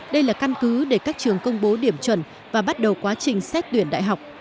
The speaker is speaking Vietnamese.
đây là căn cứ để các trường công bố điểm chuẩn và bắt đầu quá trình xét tuyển đại học